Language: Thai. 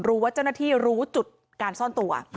รู้ว่าเจ้าหน้าที่รู้จุดการซ่อนตัว